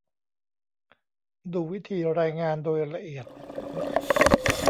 ดูวิธีรายงานโดยละเอียด